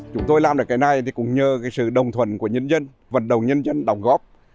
chúng tôi làm được cái này thì cũng nhờ cái sự đồng thuận của nhân dân vận động nhân dân đồng góp